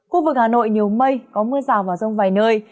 khu vực hà nội nhiều mây có mưa rào và rông vài nơi